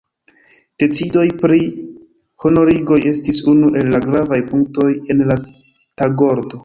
Decidoj pri honorigoj estis unu el la gravaj punktoj en la tagordo.